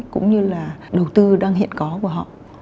cũng như là đầu tư đang hiện có của họ